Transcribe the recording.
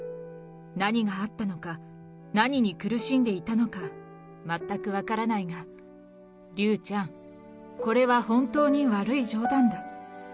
何があったのか、何に苦しんでいたのか、全く分からないが、竜ちゃん、これは本当に悪い冗談だ。